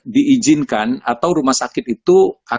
diizinkan atau rumah sakit itu